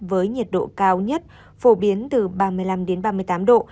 với nhiệt độ cao nhất phổ biến từ ba mươi năm đến ba mươi tám độ